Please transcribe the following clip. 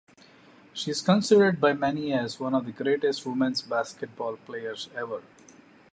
She is considered by many as one of the greatest women's basketball players ever.